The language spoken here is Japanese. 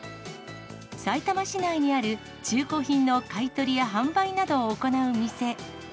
さいたま市内にある中古品の買い取りや販売などを行う店。